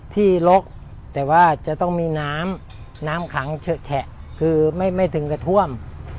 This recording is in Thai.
ที่ลกแต่ว่าจะต้องมีน้ำน้ำขังเฉอะแฉะคือไม่ถึงกระท่วม